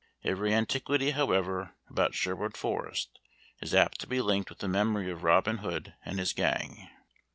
Every antiquity, however, about Sherwood Forest is apt to be linked with the memory of Robin Hood and his gang.